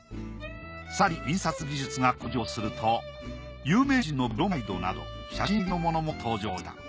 更に印刷技術が向上すると有名人のブロマイドなど写真入りのものも登場した。